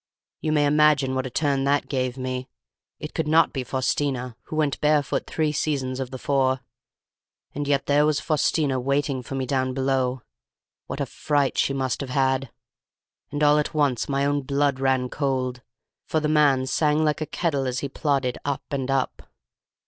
You may imagine what a turn that gave me! It could not be Faustina, who went barefoot three seasons of the four, and yet there was Faustina waiting for me down below. What a fright she must have had! And all at once my own blood ran cold: for the man sang like a kettle as he plodded up and up.